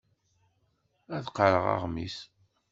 Ad qqareɣ aɣmis.